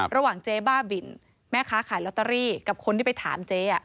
เจ๊บ้าบินแม่ค้าขายลอตเตอรี่กับคนที่ไปถามเจ๊